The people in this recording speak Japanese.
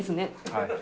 はい。